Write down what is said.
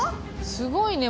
すごいね。